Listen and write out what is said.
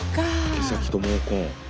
毛先と毛根。